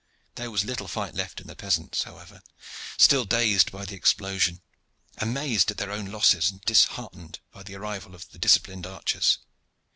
There was little fight left in the peasants, however, still dazed by the explosion, amazed at their own losses and disheartened by the arrival of the disciplined archers.